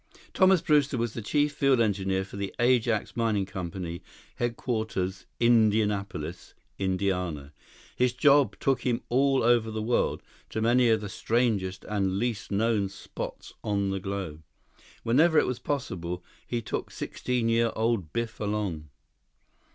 Thomas Brewster was the chief field engineer for the Ajax Mining Company, headquarters Indianapolis, Indiana. His job took him all over the world, to many of the strangest and least known spots on the globe. Whenever it was possible, he took sixteen year old Biff along.